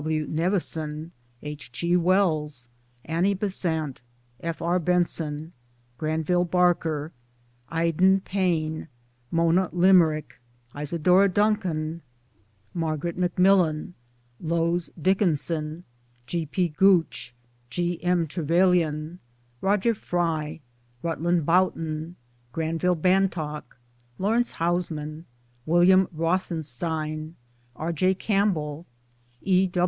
W. Nevinson, H. G. Wells, Annie Besant, F. R. Benson, Granville Barker, I den Payne, Mona Limerick, Isadora Duncan, 246 MY DAYS AND DREAMS Margaret Macmillan, Lowes Dickinson, G. P. Gooc G. M. aTrevelyan, Roger Fry, Rutland Bough ton, Granville Bantock, Laurence Housmlan, William Rothenstein, R. J. Campbell, E.